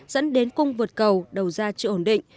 dẫn đến cung vượt cầu đầu ra chưa ổn định